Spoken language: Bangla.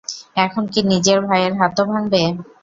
এখন কি নিজের ভাইয়ের হাতও ভাঙবে?